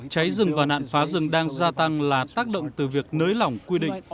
cháy rừng và nạn phá rừng đang gia tăng là tác động từ việc nới lỏng quy định